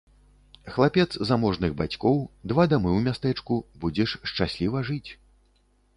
Хлапец заможных бацькоў, два дамы ў мястэчку, будзеш шчасліва жыць.